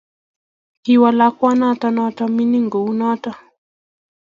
Kiwol lakwanoto noto mining kounoto